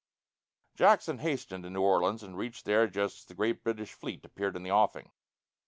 Jackson hastened to New Orleans, and reached there just as a great British fleet appeared in the offing.